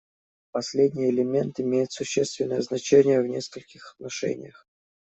Последний элемент имеет существенное значение в нескольких отношениях.